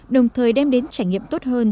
đồng thời đem đến trải nghiệm tốt hơn